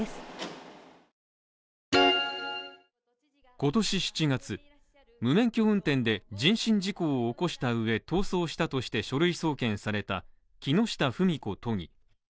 今年７月、無免許運転で人身事故を起こした上逃走したとして書類送検された木下富美子都議。